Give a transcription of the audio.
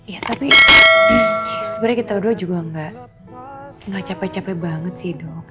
ya tapi sebenarnya kita berdua juga nggak capek capek banget sih dok